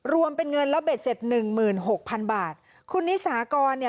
รวมเป็นเงินแล้วเบ็ดเสร็จหนึ่งหมื่นหกพันบาทคุณนิสากรเนี่ย